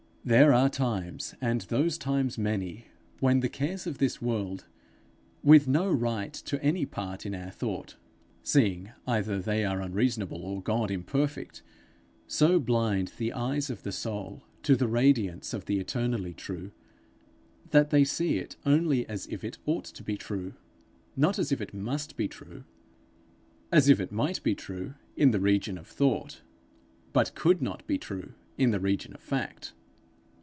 There are times, and those times many, when the cares of this world with no right to any part in our thought, seeing either they are unreasonable or God imperfect so blind the eyes of the soul to the radiance of the eternally true, that they see it only as if it ought to be true, not as if it must be true; as if it might be true in the region of thought, but could not be true in the region of fact.